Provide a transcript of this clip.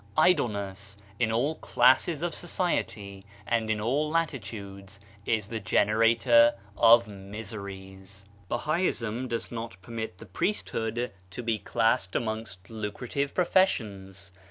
Idle ness, in all classes of society and in all latitudes, is the generator of miseries. Bahaism does not permit the priesthood to be classed amongst lucrative pro fessions.